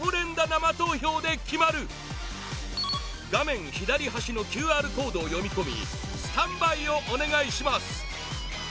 生投票で決まる画面左端のＱＲコードを読み込みスタンバイをお願いします